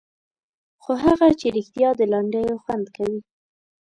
خو هغه چې رښتیا د لنډیو خوند کوي.